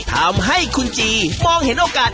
ทำให้คุณจีมองเห็นโอกาส